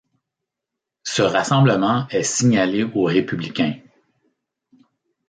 Ce rassemblement est signalé aux Républicains.